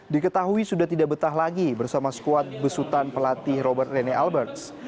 diketahui sudah tidak betah lagi bersama skuad besutan pelatih robert rene alberts